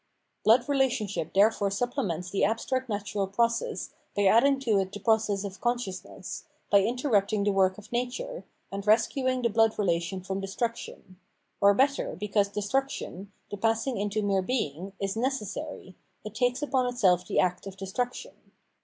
Blood relationship therefore supplements the abstract natural process by adding to it the process of conscious ness, by interrupting the work of nature, and rescuing the blood relation from destruction ; or better, because destruction, the passing into mere being, is necessary, it takes upon itself the act of destruction.